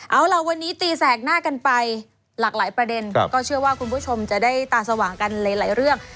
เอาล่ะวันนี้ตีแสกหน้ากันไปหลากหลายประเด็นก็เชื่อว่าคุณผู้ชมจะได้ตาสว่างกันหลายเรื่อง